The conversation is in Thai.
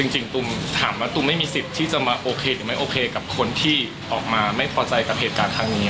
จริงตุ๋มถามว่าตุ๋มไม่มีสิทธิ์จะมาโอเคกับคนที่ออกมาไม่พอใจกับเหตุการณ์ดังนี้